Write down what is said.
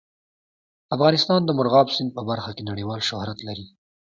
افغانستان د مورغاب سیند په برخه کې نړیوال شهرت لري.